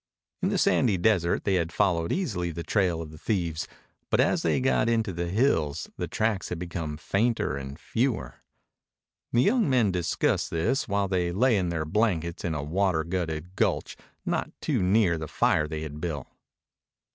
In the sandy desert they had followed easily the trail of the thieves, but as they had got into the hills the tracks had become fainter and fewer. The young men discussed this while they lay in their blankets in a water gutted gulch not too near the fire they had built.